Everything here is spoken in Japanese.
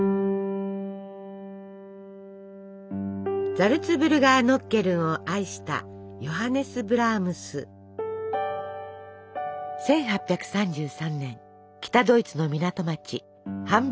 ザルツブルガーノッケルンを愛した１８３３年北ドイツの港町ハンブルクに生まれました。